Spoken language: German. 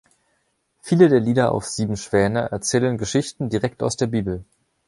Viele der Lieder auf Sieben Schwäne erzählen Geschichten direkt aus der Bibel.